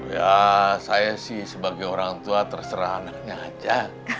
ya saya sih sebagai orang tua terserah anaknya aja